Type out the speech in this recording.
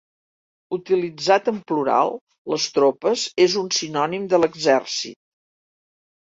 Utilitzat en plural, les tropes és un sinònim d'exèrcit.